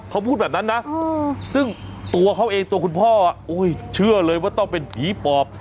เขาพูดแบบนั้นนะซึ่งตัวเขาเองตัวคุณพ่อเชื่อเลยว่าต้องเป็นผีปอบ